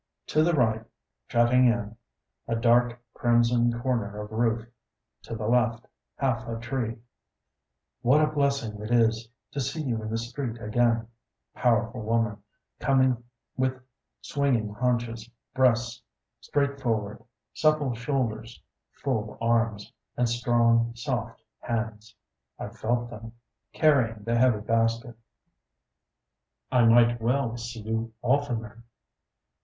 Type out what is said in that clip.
To the right, jutting in, a dark crimson corner of roof. To the left, half a tree: what a blessing it is to see you in the street again, powerful woman, coming with swinging haunches, breasts straight forward, supple shoulders, full arms and strong, soft hands (IŌĆÖve felt them) carrying the heavy basket. I might well see you oftener!